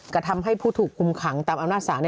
กระทำให้ผู้ถูกคุมขังตามอำนาจศาล